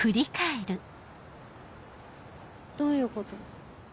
どういうこと？